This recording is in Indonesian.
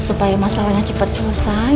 supaya masalahnya cepat selesai